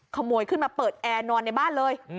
ขโมยขึ้นมาเปิดแอร์นอนในบ้านเลย